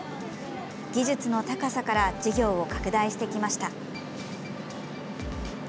技術の高さから事業を拡大してきました。